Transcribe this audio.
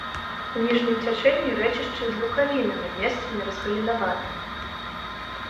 У ніжнім цячэнні рэчышча з лукавінамі, месцамі разгалінаванае.